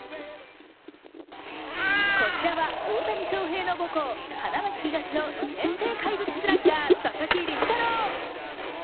こちらは、大谷翔平の母校花巻東の２年生怪物スラッガー・佐々木麟太郎。